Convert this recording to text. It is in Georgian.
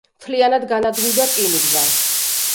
მთლიანად განადგურდა რკინიგზა.